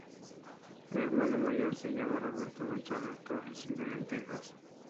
El hermano mayor se llama Roberto González Torres vive en Texas.